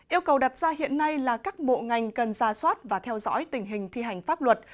yêu cầu đặt ra hiện nay là các bộ ngành cần ra soát và theo dõi tình hình thi hành pháp luật